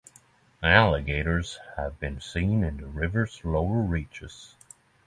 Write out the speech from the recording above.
Alligators have been seen in the river's lower reaches.